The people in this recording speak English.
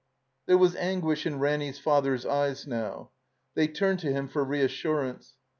. There was anguish in Ranny's father's eyes now. They turned to him for reassurance.